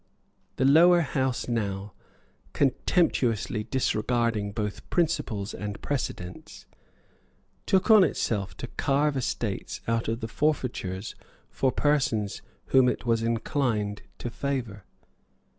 The Lower House now, contemptuously disregarding both principles and precedents, took on itself to carve estates out of the forfeitures for persons whom it was inclined to favour.